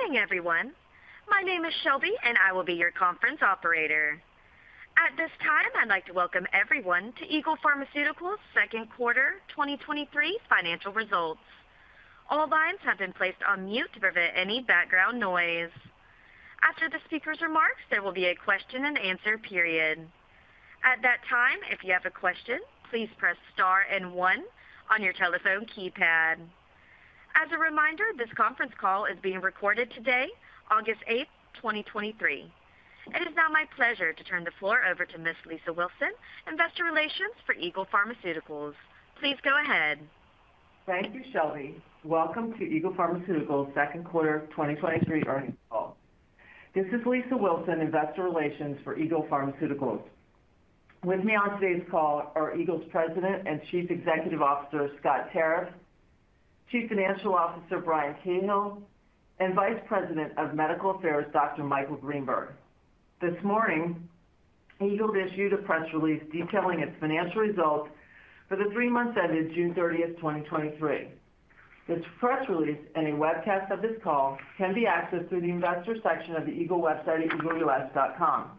Good morning, everyone. My name is Shelby. I will be your conference operator. At this time, I'd like to welcome everyone to Eagle Pharmaceuticals second quarter 2023 financial results. All lines have been placed on mute to prevent any background noise. After the speaker's remarks, there will be a question and answer period. At that time, if you have a question, please press Star and 1 on your telephone keypad. As a reminder, this conference call is being recorded today, August 8, 2023. It is now my pleasure to turn the floor over to Ms. Lisa Wilson, investor relations for Eagle Pharmaceuticals. Please go ahead. Thank you, Shelby. Welcome to Eagle Pharmaceuticals second quarter 2023 earnings call. This is Lisa Wilson, investor relations for Eagle Pharmaceuticals. With me on today's call are Eagle's President and Chief Executive Officer, Scott Tarriff, Chief Financial Officer, Brian Cahill, and Vice President of Medical Affairs, Dr. Michael Greenberg. This morning, Eagle issued a press release detailing its financial results for the three months ended June 30, 2023. This press release and a webcast of this call can be accessed through the investor section of the Eagle website at eagleus.com.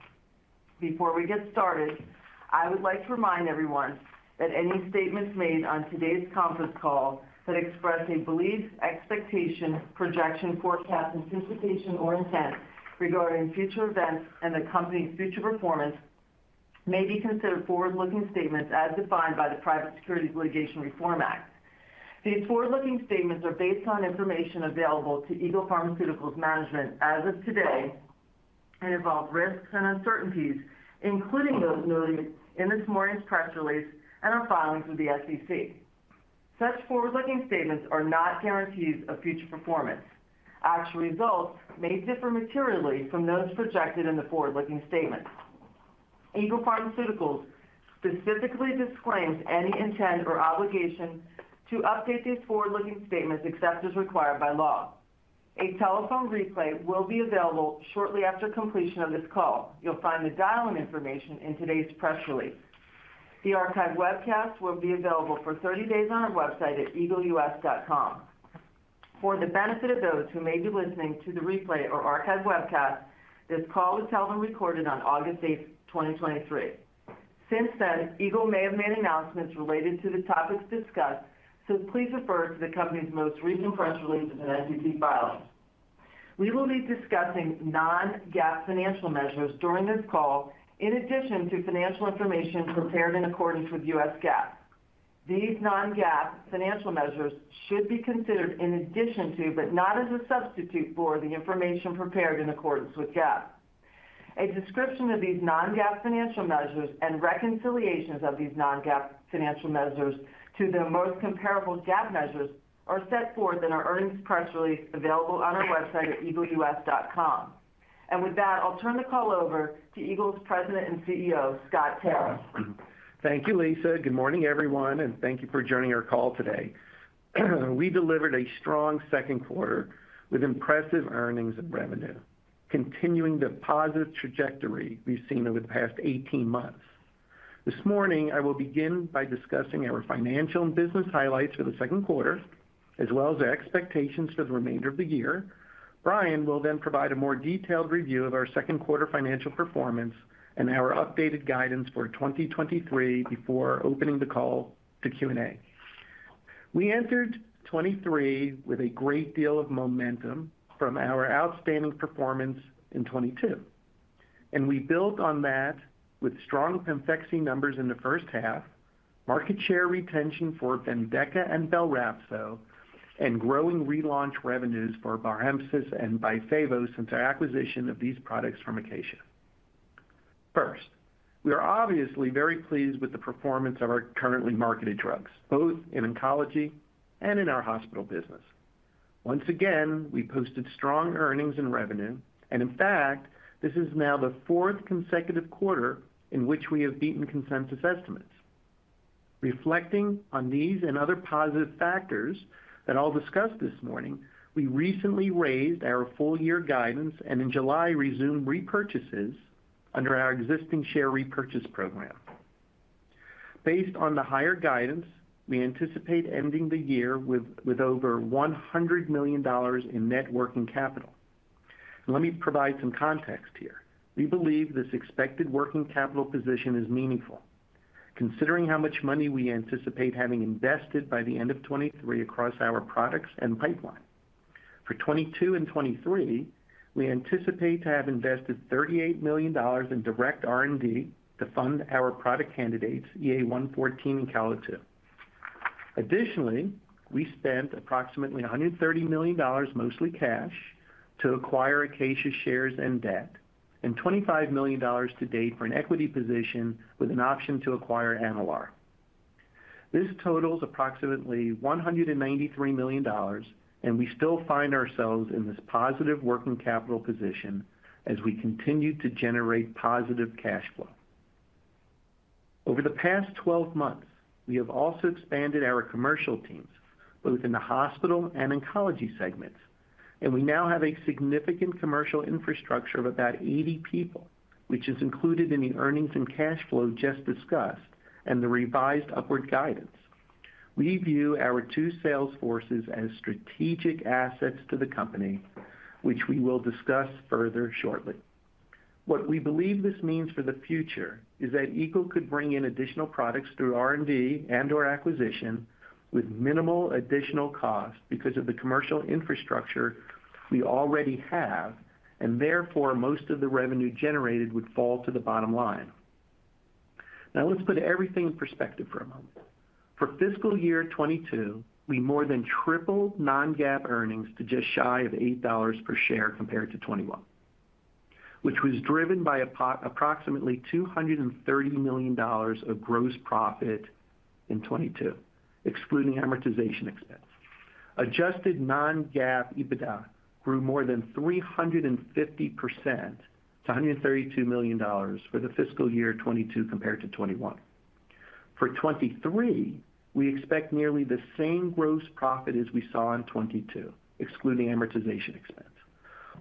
Before we get started, I would like to remind everyone that any statements made on today's conference call that express a belief, expectation, projection, forecast, anticipation, or intent regarding future events and the company's future performance may be considered forward-looking statements as defined by the Private Securities Litigation Reform Act. These forward-looking statements are based on information available to Eagle Pharmaceuticals management as of today, and involve risks and uncertainties, including those noted in this morning's press release and our filings with the SEC. Such forward-looking statements are not guarantees of future performance. Actual results may differ materially from those projected in the forward-looking statement. Eagle Pharmaceuticals specifically disclaims any intent or obligation to update these forward-looking statements except as required by law. A telephone replay will be available shortly after completion of this call. You'll find the dial-in information in today's press release. The archived webcast will be available for 30 days on our website at eagleus.com. For the benefit of those who may be listening to the replay or archived webcast, this call was held and recorded on August 8, 2023. Since then, Eagle may have made announcements related to the topics discussed, so please refer to the company's most recent press releases and SEC filings. We will be discussing non-GAAP financial measures during this call, in addition to financial information prepared in accordance with U.S. GAAP. These non-GAAP financial measures should be considered in addition to, but not as a substitute for, the information prepared in accordance with GAAP. A description of these non-GAAP financial measures and reconciliations of these non-GAAP financial measures to their most comparable GAAP measures are set forth in our earnings press release, available on our website at eagleus.com. With that, I'll turn the call over to Eagle's President and CEO, Scott Tarriff. Thank you, Lisa. Good morning, everyone. Thank you for joining our call today. We delivered a strong second quarter with impressive earnings and revenue, continuing the positive trajectory we've seen over the past 18 months. This morning, I will begin by discussing our financial and business highlights for the second quarter, as well as our expectations for the remainder of the year. Brian will provide a more detailed review of our second quarter financial performance and our updated guidance for 2023 before opening the call to Q&A. We entered 2023 with a great deal of momentum from our outstanding performance in 2022. We built on that with strong PEMFEXY numbers in the first half, market share retention for BENDEKA and BELRAPZO, and growing relaunch revenues for Barhemsys and Byfavo since our acquisition of these products from Acacia. First, we are obviously very pleased with the performance of our currently marketed drugs, both in oncology and in our hospital business. Once again, we posted strong earnings and revenue, and in fact, this is now the fourth consecutive quarter in which we have beaten consensus estimates. Reflecting on these and other positive factors that I'll discuss this morning, we recently raised our full year guidance and in July, resumed repurchases under our existing share repurchase program. Based on the higher guidance, we anticipate ending the year with over $100 million in net working capital. Let me provide some context here. We believe this expected working capital position is meaningful, considering how much money we anticipate having invested by the end of 2023 across our products and pipeline. For 2022 and 2023, we anticipate to have invested $38 million in direct R&D to fund our product candidates, EA-114 and CAL02. Additionally, we spent approximately $130 million, mostly cash, to acquire Acacia shares and debt, and $25 million to date for an equity position with an option to acquire Enalare. This totals approximately $193 million, and we still find ourselves in this positive working capital position as we continue to generate positive cash flow. Over the past 12 months, we have also expanded our commercial teams, both in the hospital and oncology segments, and we now have a significant commercial infrastructure of about 80 people, which is included in the earnings and cash flow just discussed and the revised upward guidance. We view our two sales forces as strategic assets to the company, which we will discuss further shortly. What we believe this means for the future is that Eagle could bring in additional products through R&D and, or acquisition with minimal additional cost because of the commercial infrastructure we already have, and therefore, most of the revenue generated would fall to the bottom line. Let's put everything in perspective for a moment. For fiscal year 2022, we more than tripled non-GAAP earnings to just shy of $8 per share compared to 2021, which was driven by approximately $230 million of gross profit in 2022, excluding amortization expense. Adjusted non-GAAP EBITDA grew more than 350% to $132 million for the fiscal year 2022 compared to 2021. For 2023, we expect nearly the same gross profit as we saw in 2022, excluding amortization expense.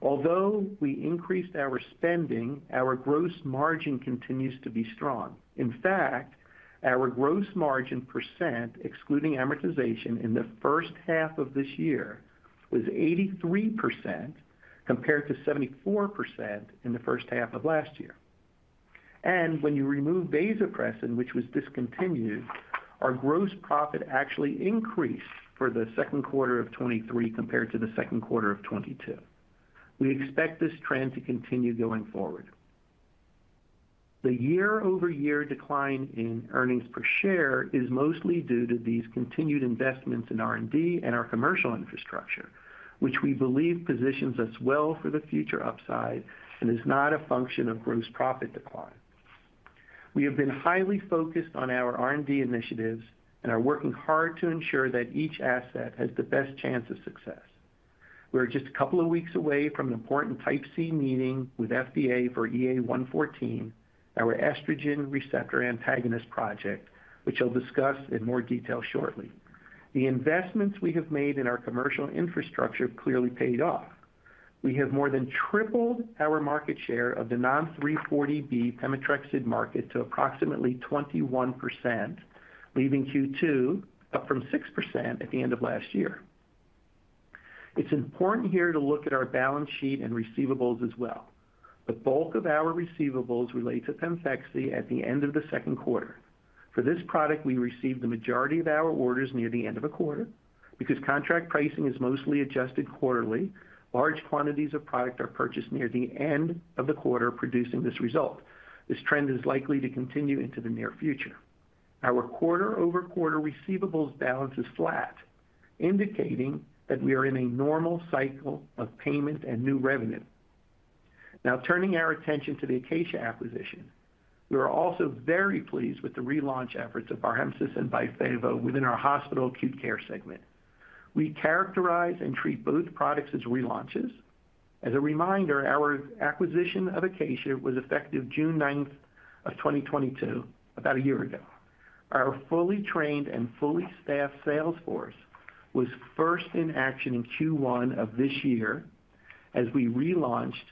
Although we increased our spending, our gross margin continues to be strong. In fact, our gross margin %, excluding amortization in the first half of this year, was 83%, compared to 74% in the first half of last year. When you remove vasopressin, which was discontinued, our gross profit actually increased for the second quarter of 2023 compared to the second quarter of 2022. We expect this trend to continue going forward. The year-over-year decline in earnings per share is mostly due to these continued investments in R&D and our commercial infrastructure, which we believe positions us well for the future upside and is not a function of gross profit decline. We have been highly focused on our R&D initiatives and are working hard to ensure that each asset has the best chance of success. We are just a couple of weeks away from an important Type C meeting with FDA for EA-114, our estrogen receptor antagonist project, which I'll discuss in more detail shortly. The investments we have made in our commercial infrastructure clearly paid off. We have more than tripled our market share of the non-340B Pemetrexed market to approximately 21%, leaving Q2 up from 6% at the end of last year. It's important here to look at our balance sheet and receivables as well. The bulk of our receivables relate to PEMFEXY at the end of the second quarter. For this product, we received the majority of our orders near the end of a quarter. Because contract pricing is mostly adjusted quarterly, large quantities of product are purchased near the end of the quarter, producing this result. This trend is likely to continue into the near future. Our quarter-over-quarter receivables balance is flat, indicating that we are in a normal cycle of payment and new revenue. Turning our attention to the Acacia acquisition, we are also very pleased with the relaunch efforts of Barhemsys and Byfavo within our hospital acute care segment. We characterize and treat both products as relaunches. As a reminder, our acquisition of Acacia was effective June 9, 2022, about a year ago. Our fully trained and fully staffed sales force was first in action in Q1 of this year as we relaunched,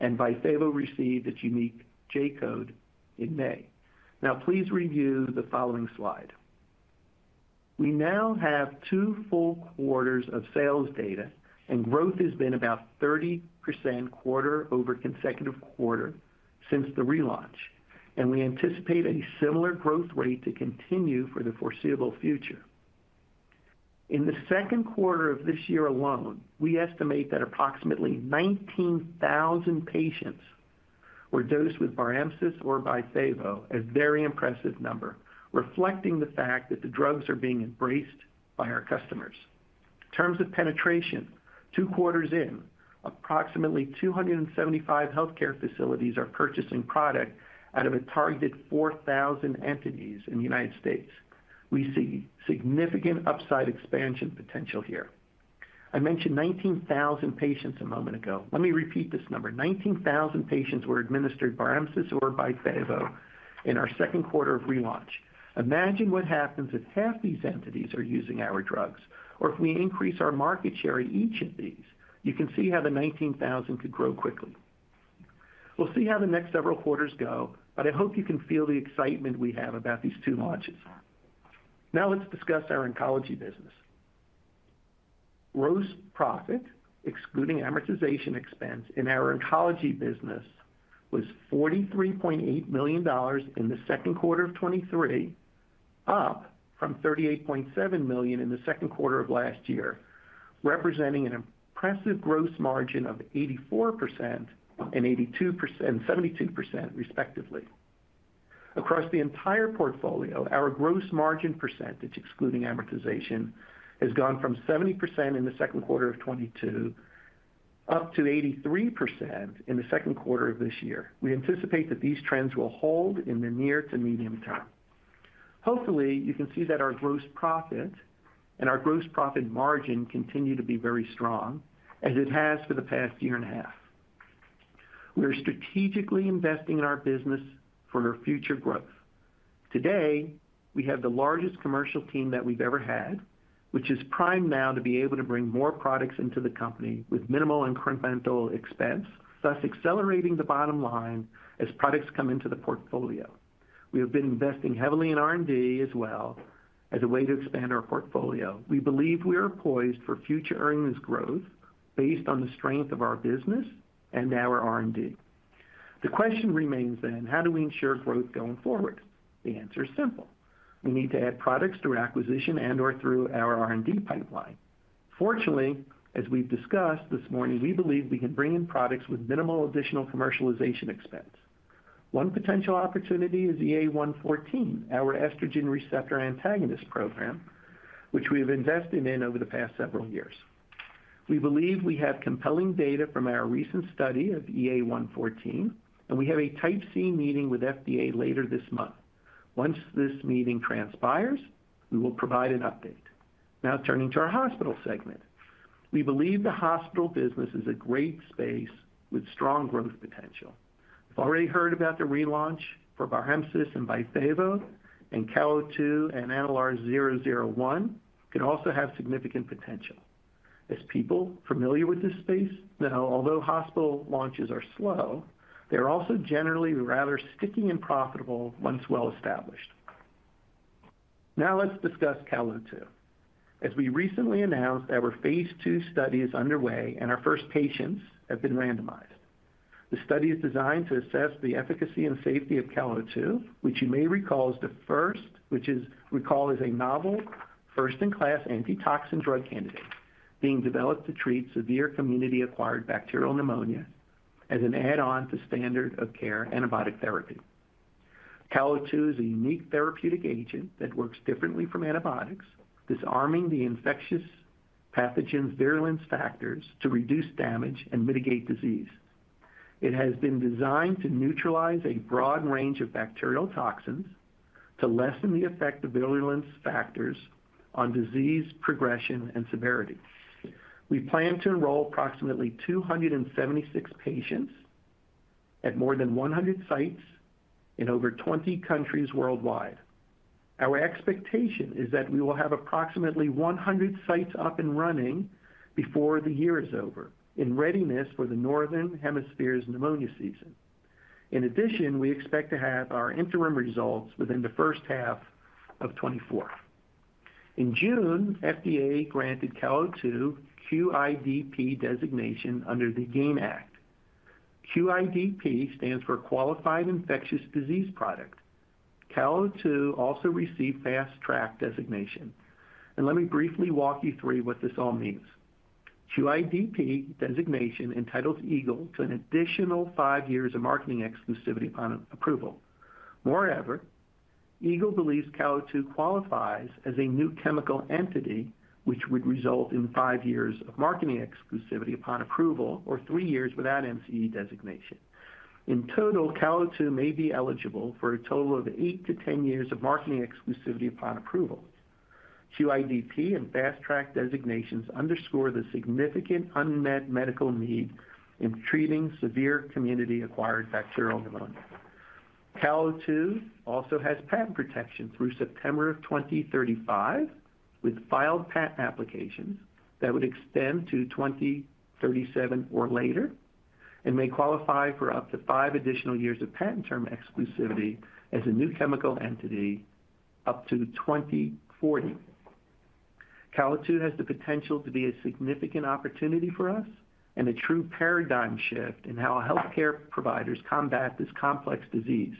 and Byfavo received its unique J-code in May. Please review the following slide. We now have 2 full quarters of sales data, and growth has been about 30% quarter over consecutive quarter since the relaunch, and we anticipate a similar growth rate to continue for the foreseeable future. In the second quarter of this year alone, we estimate that approximately 19,000 patients were dosed with Barhemsys or Byfavo, a very impressive number, reflecting the fact that the drugs are being embraced by our customers. In terms of penetration, 2 quarters in, approximately 275 healthcare facilities are purchasing product out of a targeted 4,000 entities in the United States. We see significant upside expansion potential here. I mentioned 19,000 patients a moment ago. Let me repeat this number. 19,000 patients were administered Barhemsys or Byfavo in our second quarter of relaunch. Imagine what happens if half these entities are using our drugs, or if we increase our market share in each of these. You can see how the 19,000 could grow quickly. We'll see how the next several quarters go, but I hope you can feel the excitement we have about these two launches. Let's discuss our oncology business. Gross profit, excluding amortization expense in our oncology business, was $43.8 million in the second quarter of 2023, up from $38.7 million in the second quarter of last year, representing an impressive gross margin of 84% and 72%, respectively. Across the entire portfolio, our gross margin percentage, excluding amortization, has gone from 70% in the second quarter of 2022 up to 83% in the second quarter of this year. We anticipate that these trends will hold in the near to medium term. Hopefully, you can see that our gross profit and our gross profit margin continue to be very strong, as it has for the past year and a half. We are strategically investing in our business for our future growth. Today, we have the largest commercial team that we've ever had, which is primed now to be able to bring more products into the company with minimal incremental expense, thus accelerating the bottom line as products come into the portfolio. We have been investing heavily in R&D as well as a way to expand our portfolio. We believe we are poised for future earnings growth. based on the strength of our business and our R&D. The question remains then: how do we ensure growth going forward? The answer is simple. We need to add products through acquisition and or through our R&D pipeline. Fortunately, as we've discussed this morning, we believe we can bring in products with minimal additional commercialization expense. One potential opportunity is EA-114, our estrogen receptor antagonist program, which we have invested in over the past several years. We believe we have compelling data from our recent study of EA-114, and we have a Type C meeting with FDA later this month. Once this meeting transpires, we will provide an update. Turning to our hospital segment. We believe the hospital business is a great space with strong growth potential. You've already heard about the relaunch for Barhemsys and Byfavo, and CAL02 and ENA-001 can also have significant potential. As people familiar with this space know, although hospital launches are slow, they are also generally rather sticky and profitable once well established. Now let's discuss CAL02. As we recently announced, our phase 2 study is underway and our first patients have been randomized. The study is designed to assess the efficacy and safety of CAL02, which is a novel, first-in-class antitoxin drug candidate being developed to treat severe community-acquired bacterial pneumonia as an add-on to standard of care antibiotic therapy. CAL02 is a unique therapeutic agent that works differently from antibiotics, disarming the infectious pathogen's virulence factors to reduce damage and mitigate disease. It has been designed to neutralize a broad range of bacterial toxins to lessen the effect of virulence factors on disease progression and severity. We plan to enroll approximately 276 patients at more than 100 sites in over 20 countries worldwide. Our expectation is that we will have approximately 100 sites up and running before the year is over, in readiness for the Northern Hemisphere's pneumonia season. In addition, we expect to have our interim results within the first half of 2024. In June, FDA granted CAL02 QIDP designation under the GAIN Act. QIDP stands for Qualified Infectious Disease Product. CAL02 also received Fast Track designation. Let me briefly walk you through what this all means. QIDP designation entitles Eagle to an additional 5 years of marketing exclusivity upon approval. Moreover, Eagle believes CAL02 qualifies as a New Chemical Entity, which would result in 5 years of marketing exclusivity upon approval, or 3 years without NCE designation. In total, CAL02 may be eligible for a total of 8-10 years of marketing exclusivity upon approval. QIDP and Fast Track designations underscore the significant unmet medical need in treating severe community-acquired bacterial pneumonia. CAL02 also has patent protection through September of 2035, with filed patent applications that would extend to 2037 or later. May qualify for up to 5 additional years of patent term exclusivity as a New Chemical Entity up to 2040. CAL02 has the potential to be a significant opportunity for us and a true paradigm shift in how our healthcare providers combat this complex disease.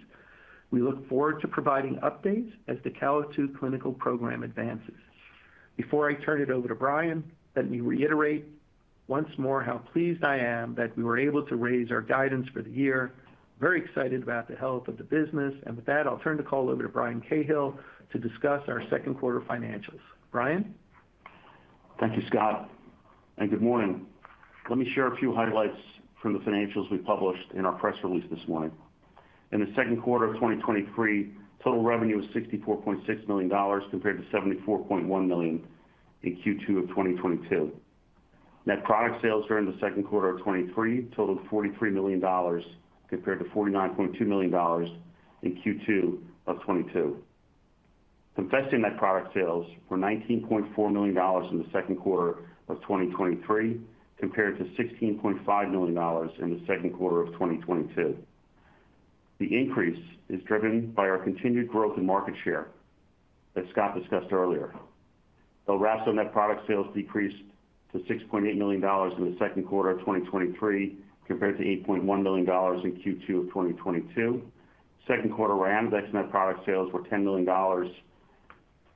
We look forward to providing updates as the CAL02 clinical program advances. Before I turn it over to Brian, let me reiterate once more how pleased I am that we were able to raise our guidance for the year. Very excited about the health of the business. With that, I'll turn the call over to Brian Cahill to discuss our second quarter financials. Brian? Thank you, Scott, and good morning. Let me share a few highlights from the financials we published in our press release this morning. In the second quarter of 2023, total revenue was $64.6 million, compared to $74.1 million in Q2 of 2022. Net product sales during the second quarter of 2023 totaled $43 million, compared to $49.2 million in Q2 of 2022. PEMFEXY net product sales were $19.4 million in the second quarter of 2023, compared to $16.5 million in the second quarter of 2022. The increase is driven by our continued growth in market share, as Scott discussed earlier. BELRAPZO net product sales decreased to $6.8 million in the second quarter of 2023, compared to $8.1 million in Q2 of 2022. Second quarter, Ryanodex net product sales were $10 million,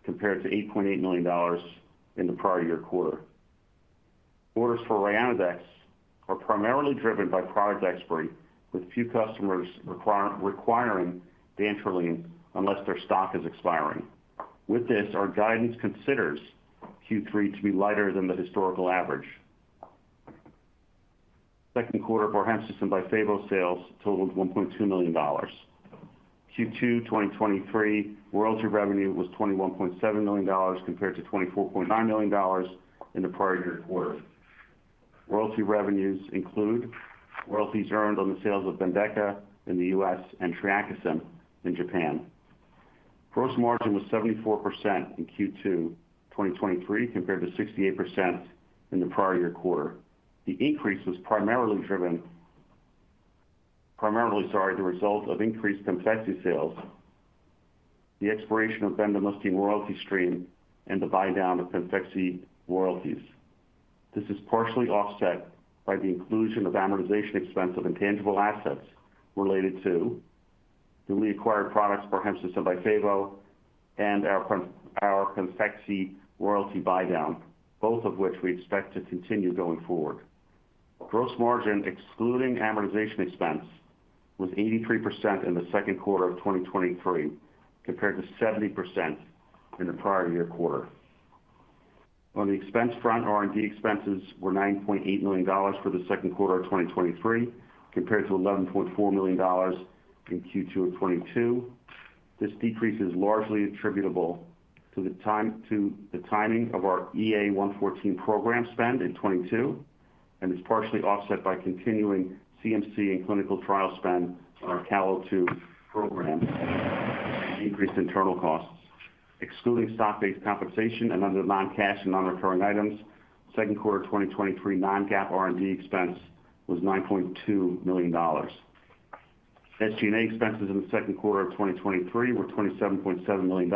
compared to $8.8 million in the prior-year quarter. Orders for Ryanodex are primarily driven by product expiry, with few customers requiring the dantrolene unless their stock is expiring. With this, our guidance considers Q3 to be lighter than the historical average. Second quarter Barhemsys and Byfavo sales totaled $1.2 million. Q2 2023, royalty revenue was $21.7 million, compared to $24.9 million in the prior-year quarter. Royalty revenues include royalties earned on the sales of Bendeka in the U.S. and TREAKISYM in Japan. Gross margin was 74% in Q2 2023, compared to 68% in the prior-year quarter. The increase was primarily driven by. primarily, sorry, the result of increased PEMFEXY sales, the expiration of Bendamustine royalty stream, and the buy down of PEMFEXY royalties. This is partially offset by the inclusion of amortization expense of intangible assets related to newly acquired products, Barhemsys and Byfavo, and our PEMFEXY royalty buy down, both of which we expect to continue going forward. Gross margin, excluding amortization expense, was 83% in the second quarter of 2023, compared to 70% in the prior year quarter. On the expense front, R&D expenses were $9.8 million for the second quarter of 2023, compared to $11.4 million in Q2 of 2022. This decrease is largely attributable to the timing of our EA-114 program spend in 2022, and is partially offset by continuing CMC and clinical trial spend on our CAL02 program, decreased internal costs, excluding stock-based compensation and other non-cash and non-recurring items. Second quarter 2023 non-GAAP R&D expense was $9.2 million. SG&A expenses in the second quarter of 2023 were $27.7 million,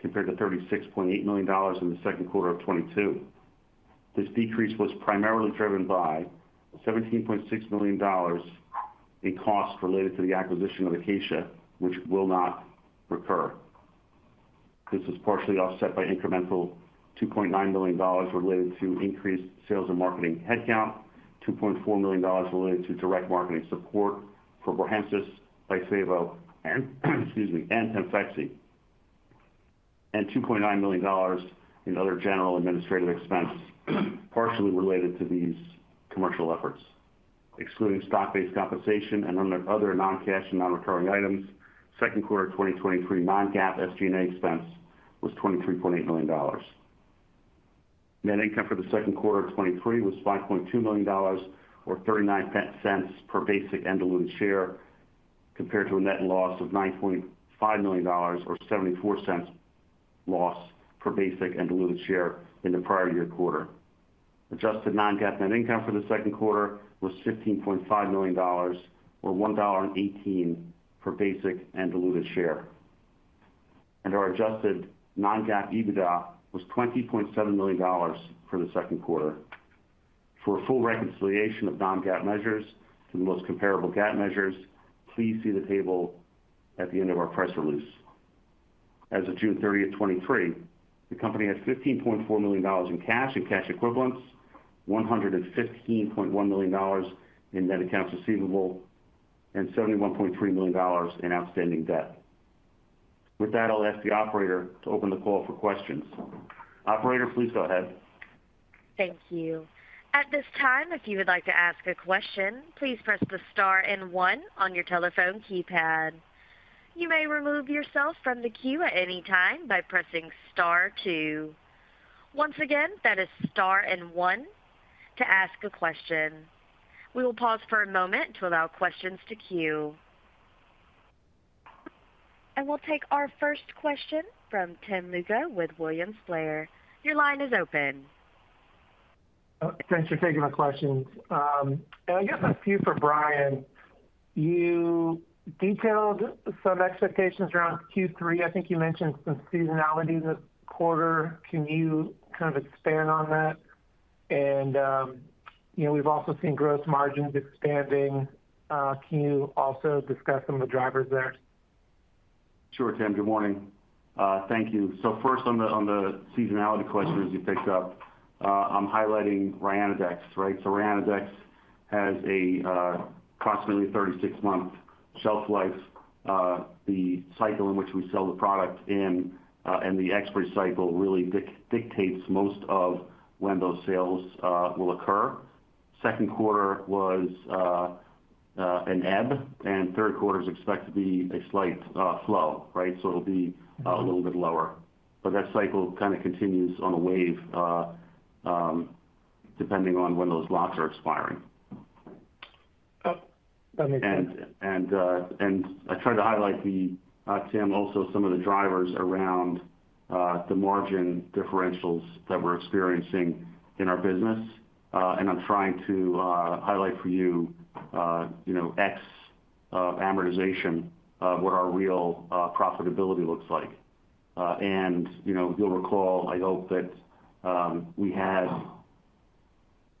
compared to $36.8 million in the second quarter of 2022. This decrease was primarily driven by $17.6 million in costs related to the acquisition of Acacia, which will not recur. This is partially offset by incremental $2.9 million related to increased sales and marketing headcount, $2.4 million related to direct marketing support for Barhemsys, Byfavo, and PEMFEXY, and $2.9 million in other general administrative expenses, partially related to these commercial efforts. Excluding stock-based compensation and other non-cash and non-recurring items, second quarter of 2023 non-GAAP SG&A expense was $23.8 million. Net income for the second quarter of 2023 was $5.2 million or $0.39 per basic and diluted share, compared to a net loss of $9.5 million or $0.74 loss per basic and diluted share in the prior year quarter. Adjusted non-GAAP net income for the second quarter was $15.5 million or $1.18 per basic and diluted share. Our adjusted non-GAAP EBITDA was $20.7 million for the second quarter. For a full reconciliation of non-GAAP measures to the most comparable GAAP measures, please see the table at the end of our press release. As of June 30, 2023, the company has $15.4 million in cash and cash equivalents, $115.1 million in net accounts receivable, and $71.3 million in outstanding debt. I'll ask the operator to open the call for questions. Operator, please go ahead. Thank you. At this time, if you would like to ask a question, please press the star and one on your telephone keypad. You may remove yourself from the queue at any time by pressing star two. Once again, that is star and one to ask a question. We will pause for a moment to allow questions to queue. We'll take our first question from Tim Lugo with William Blair. Your line is open. Thanks for taking my questions. I guess a few for Brian. You detailed some expectations around Q3. I think you mentioned some seasonality this quarter. Can you kind of expand on that? You know, we've also seen gross margins expanding. Can you also discuss some of the drivers there? Sure, Tim. Good morning. Thank you. First on the seasonality question, as you picked up, I'm highlighting Ryanodex, right? Ryanodex has a approximately 36-month shelf life. The cycle in which we sell the product in and the expiry cycle really dictates most of when those sales will occur. Second quarter was an ebb, and third quarter is expected to be a slight flow, right? It'll be a little bit lower, but that cycle kind of continues on a wave depending on when those lots are expiring. That makes sense. I tried to highlight the Tim, also some of the drivers around the margin differentials that we're experiencing in our business. I'm trying to highlight for you, you know, X amortization, what our real profitability looks like. You know, you'll recall, I hope that we had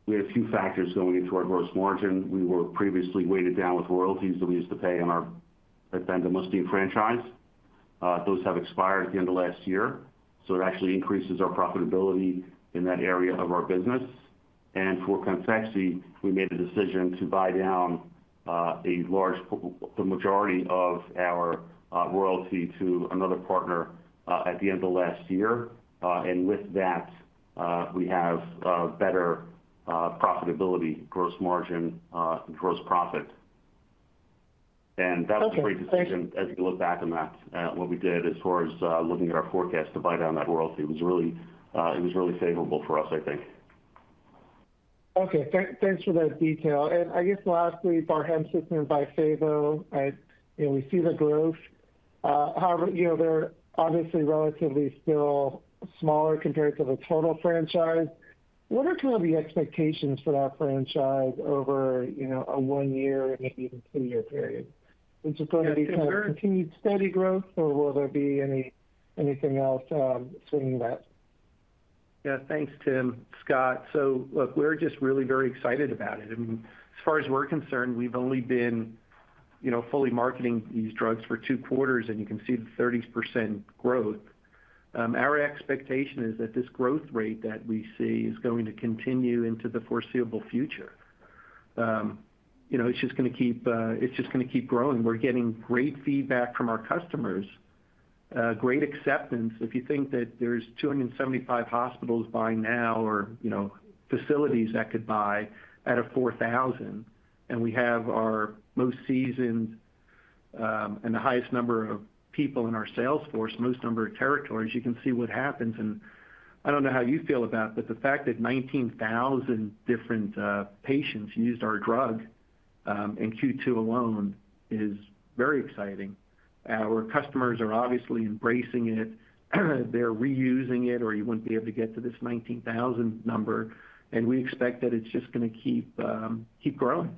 a few factors going into our gross margin. We were previously weighted down with royalties that we used to pay on our Bendamustine franchise. Those have expired at the end of last year, so it actually increases our profitability in that area of our business. For PEMFEXY, we made the decision to buy down the majority of our royalty to another partner at the end of last year. With that, we have better profitability, gross margin, and gross profit. That's a great decision. Okay, thanks. as you look back on that, what we did as far as looking at our forecast to buy down that royalty, it was really, it was really favorable for us, I think. Okay. Thank, thanks for that detail. I guess lastly, Barhemsys and Byfavo. You know, we see the growth. However, you know, they're obviously relatively still smaller compared to the total franchise. What are kind of the expectations for that franchise over, you know, a 1-year and maybe even 2-year period? Is it going to be kind of continued steady growth, or will there be any- anything else seeing that? Yeah, thanks, Tim. Scott, look, we're just really very excited about it. I mean, as far as we're concerned, we've only been, you know, fully marketing these drugs for 2 quarters, and you can see the 30% growth. Our expectation is that this growth rate that we see is going to continue into the foreseeable future. You know, it's just gonna keep, it's just gonna keep growing. We're getting great feedback from our customers, great acceptance. If you think that there's 275 hospitals buying now, or, you know, facilities that could buy out of 4,000, and we have our most seasoned, and the highest number of people in our sales force, most number of territories, you can see what happens. I don't know how you feel about, but the fact that 19,000 different patients used our drug in Q2 alone is very exciting. Our customers are obviously embracing it, they're reusing it, or you wouldn't be able to get to this 19,000 number, and we expect that it's just gonna keep keep growing.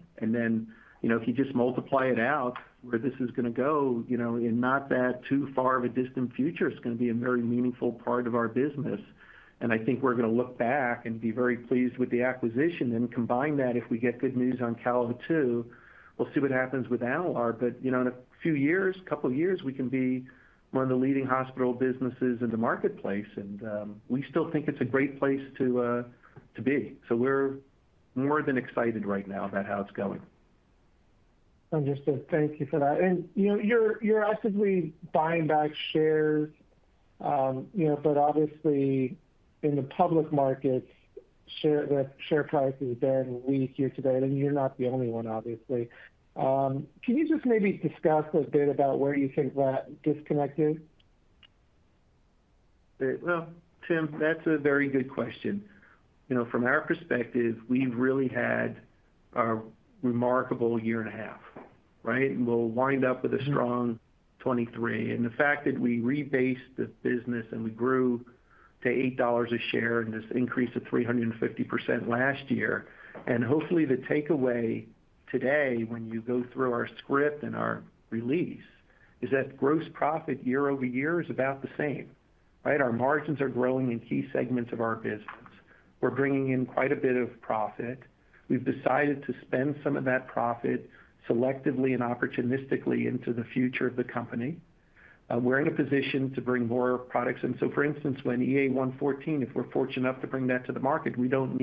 You know, if you just multiply it out, where this is gonna go, you know, in not that too far of a distant future, it's gonna be a very meaningful part of our business. I think we're gonna look back and be very pleased with the acquisition and combine that if we get good news on CAL02. We'll see what happens with Enalare, but, you know, in a few years, couple of years, we can be one of the leading hospital businesses in the marketplace. We still think it's a great place to be. We're more than excited right now about how it's going. Understood. Thank you for that. You know, you're, you're actively buying back shares, you know, but obviously in the public markets, the share price has been weak year-to-date, and you're not the only one, obviously. Can you just maybe discuss a bit about where you think that disconnect is? Well, Tim, that's a very good question. You know, from our perspective, we've really had a remarkable year and a half, right? We'll wind up with a strong 2023. The fact that we rebased the business and we grew to $8 a share and this increase of 350% last year. Hopefully the takeaway today, when you go through our script and our release, is that gross profit year-over-year is about the same, right? Our margins are growing in key segments of our business. We're bringing in quite a bit of profit. We've decided to spend some of that profit selectively and opportunistically into the future of the company. We're in a position to bring more products. For instance, when EA-114, if we're fortunate enough to bring that to the market, we don't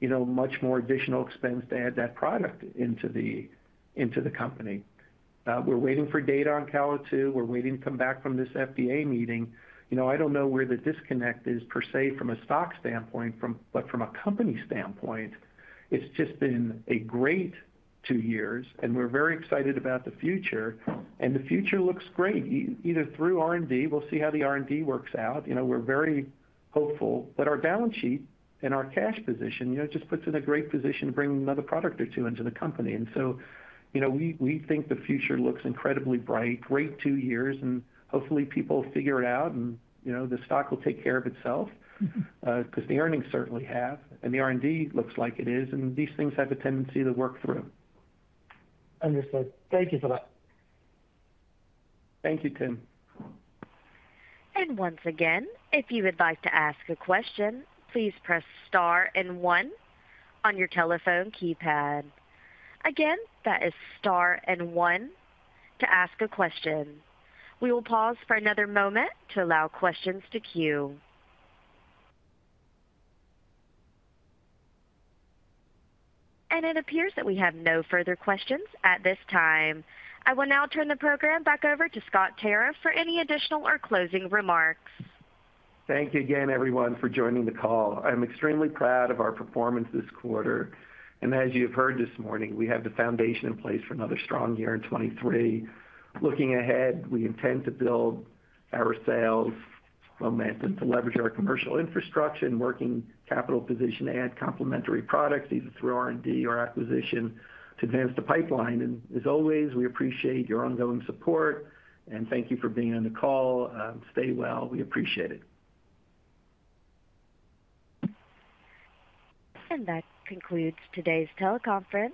need, you know, much more additional expense to add that product into the company. We're waiting for data on CAL02. We're waiting to come back from this FDA meeting. You know, I don't know where the disconnect is per se, from a stock standpoint. From a company standpoint, it's just been a great two years, and we're very excited about the future, and the future looks great. Either through R&D, we'll see how the R&D works out. You know, we're very hopeful that our balance sheet and our cash position, you know, just puts in a great position to bring another product or two into the company. So, you know, we, we think the future looks incredibly bright. Great two years, and hopefully people figure it out and, you know, the stock will take care of itself, because the earnings certainly have, and the R&D looks like it is, and these things have a tendency to work through. Understood. Thank you for that. Thank you, Tim. Once again, if you would like to ask a question, please press star and 1 on your telephone keypad. Again, that is star and 1 to ask a question. We will pause for another moment to allow questions to queue. It appears that we have no further questions at this time. I will now turn the program back over to Scott Tarriff for any additional or closing remarks. Thank you again, everyone, for joining the call. I'm extremely proud of our performance this quarter, and as you have heard this morning, we have the foundation in place for another strong year in 2023. Looking ahead, we intend to build our sales momentum to leverage our commercial infrastructure and working capital position to add complementary products, either through R&D or acquisition, to advance the pipeline. As always, we appreciate your ongoing support, and thank you for being on the call. Stay well. We appreciate it. That concludes today's teleconference.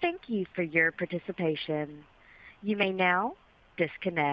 Thank you for your participation. You may now disconnect.